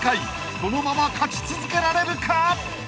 ［このまま勝ち続けられるか？］